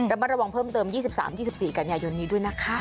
มาระวังเพิ่มเติม๒๓๒๔กันยายนนี้ด้วยนะคะ